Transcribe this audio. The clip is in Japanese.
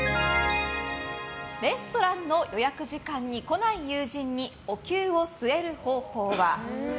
レストランの予約時間に来ない友人におきゅうを据える方法は？